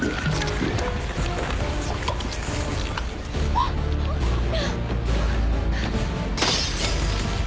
あっ！